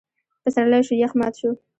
پسرلی شو؛ يخ مات شو.